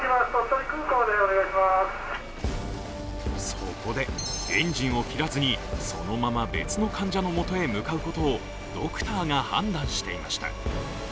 そこで、エンジンを切らずに、そのまま別の患者のもとへ向かうことをドクターが判断していました。